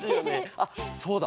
あっそうだ。